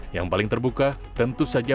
yang paling terbuka tentu adalah orde baru